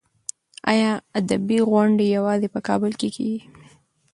ایا ادبي غونډې یوازې په کابل کې کېږي؟